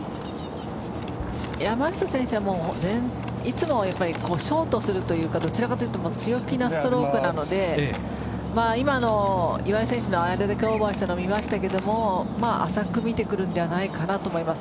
山下選手はいつもショートするというか強気なストロークなので今の岩井選手のあれだけオーバーしたの見ましたけど浅く見てくるんではないかと思います